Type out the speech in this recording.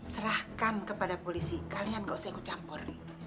serahkan kepada polisi kalian tidak usah aku campur